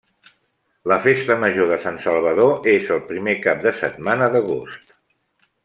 La festa major de Sant Salvador és el primer cap de setmana d'agost.